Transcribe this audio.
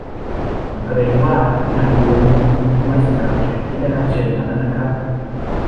ผมเกรงว่างานอีเวนท์นี้มีไว้สำหรับแขกที่ได้รับเชิญเท่านั้นนะครับ